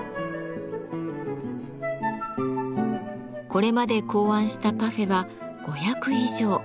これまで考案したパフェは５００以上。